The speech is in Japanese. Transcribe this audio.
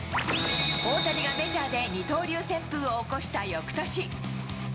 大谷がメジャーで二刀流旋風を起こしたよくとし。